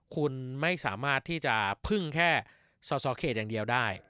คุณไม่สามารถที่จะพึ่งแค่ส่อเขตอย่างเดียวได้